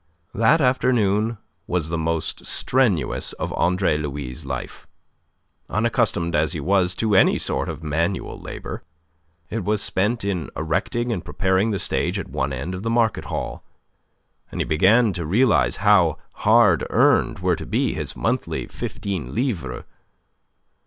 That afternoon was the most strenuous of Andre Louis' life, unaccustomed as he was to any sort of manual labour. It was spent in erecting and preparing the stage at one end of the market hall; and he began to realize how hard earned were to be his monthly fifteen livres.